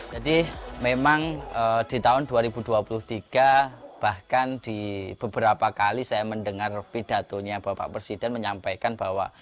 jadi memang di tahun dua ribu dua puluh tiga bahkan di beberapa kali saya mendengar pidatonya bapak presiden menyampaikan bahwa